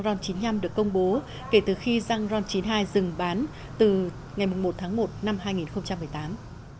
ron chín mươi năm được công bố kể từ khi xăng ron chín mươi hai dừng bán từ ngày một tháng một năm hai nghìn một mươi tám